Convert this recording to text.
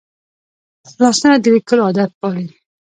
لاسونه د لیکلو عادت پالي